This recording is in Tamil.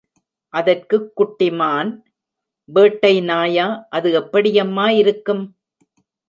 அதற்குக் குட்டி மான், வேட்டை நாயா அது எப்படி யம்மா இருக்கும்?